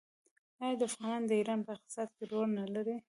آیا افغانان د ایران په اقتصاد کې رول نلري؟